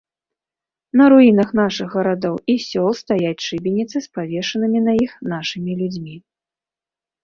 На руінах нашых гарадоў і сёл стаяць шыбеніцы з павешанымі на іх нашымі людзьмі.